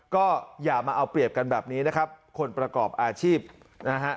ก็อย่ามาเอาเปรียบกันแบบนี้นะครับคนประกอบอาชีพนะฮะ